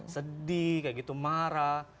sedih kayak gitu marah